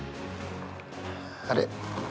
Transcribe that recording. あれ？